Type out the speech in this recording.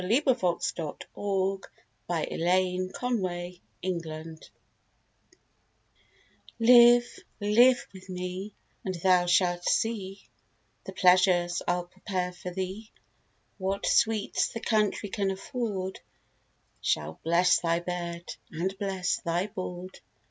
TO PHILLIS, TO LOVE AND LIVE WITH HIM Live, live with me, and thou shalt see The pleasures I'll prepare for thee: What sweets the country can afford Shall bless thy bed, and bless thy board.